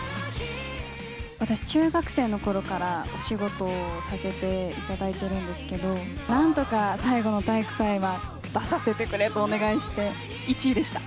私、中学生のころからお仕事をさせていただいているんですけど、なんとか最後の体育祭は出させてくれとお願いして、１位でした。